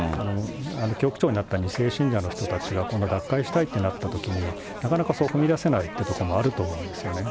教区長になった２世信者の方たちが、今度脱会したいってなったときに、なかなか踏み出せないというところもあると思うんですよね。